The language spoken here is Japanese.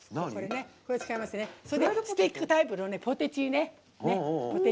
それで、スティックタイプの「ポテチー」ね。